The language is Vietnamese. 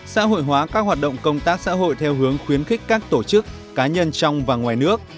xã hội hóa các hoạt động công tác xã hội theo hướng khuyến khích các tổ chức cá nhân trong và ngoài nước